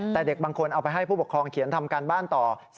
แต่เด็กบางคนเอาไปให้ผู้ปกครองเขียนทำการบ้านต่อ